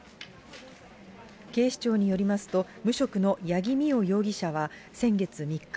警視庁によりますと、無職の八木美緒容疑者は、先月３日、